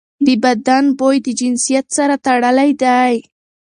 د بدن بوی د جنسیت سره تړلی دی.